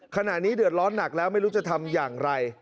ขณะนี้เดือดร้อนหนักแล้วไม่รู้จะทำอย่างไร